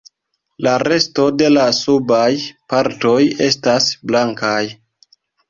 La resto de la subaj partoj estas blankaj.